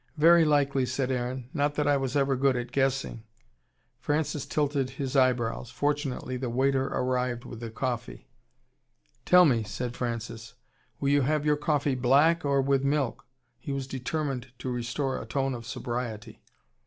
"Very likely," said Aaron. "Not that I was ever good at guessing." Francis tilted his eyebrows. Fortunately the waiter arrived with the coffee. "Tell me," said Francis, "will you have your coffee black, or with milk?" He was determined to restore a tone of sobriety.